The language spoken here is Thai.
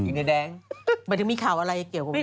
อินเดียแดงแบบถึงมีข่าวอะไรเกี่ยวกับมี